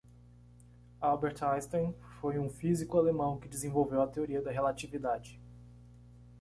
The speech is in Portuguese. Albert Einstein foi um físico alemão que desenvolveu a Teoria da Relatividade.